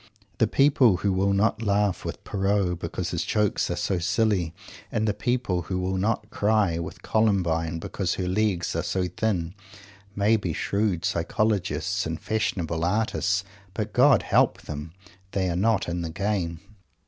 The people who will not laugh with Pierrot because his jokes are so silly, and the people who will not cry with Columbine because her legs are so thin, may be shrewd psychologists and fastidious artists but, God help them! they are not in the game.